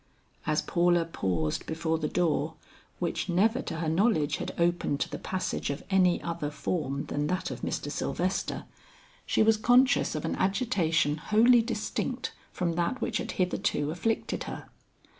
As Paula paused before the door, which never to her knowledge had opened to the passage of any other form than that of Mr. Sylvester, she was conscious of an agitation wholly distinct from that which had hitherto afflicted her.